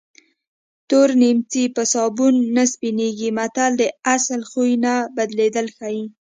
تور نیمڅی په سابون نه سپینېږي متل د اصلي خوی نه بدلېدل ښيي